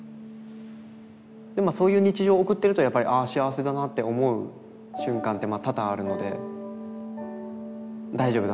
そういう日常を送ってるとやっぱりあ幸せだなって思う瞬間って多々あるので大丈夫だ。